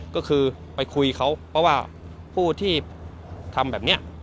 ก็คือไปคุยเขาเพราะว่าผู้ที่ทำแบบนี้